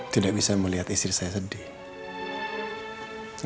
tidak bisa melihat istri saya sedih